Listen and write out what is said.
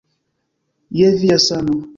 Je via sano